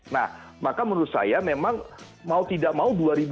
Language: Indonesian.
nah maka menurut saya memang mau tidak mau